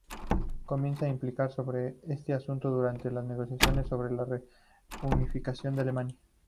Comienza a implicarse sobre este asunto durante las negociaciones sobre la reunificación de Alemania.